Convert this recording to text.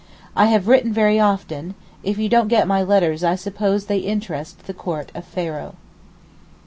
I have written very often, if you don't get my letters I suppose they interest the court of Pharaoh.